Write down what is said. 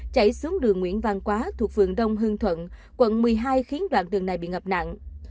chảy xuống đường nguyễn văn quá thuộc phường đông hương thuận quận một mươi hai khiến đoạn đường này bị ngập nặng